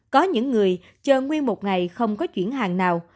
có những người chờ nguyên một ngày không có chuyển hàng nào